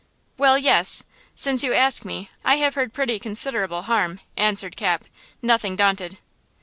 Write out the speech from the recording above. "Well, yes–since you ask me, I have heard pretty considerable harm!" answered Cap, nothing daunted.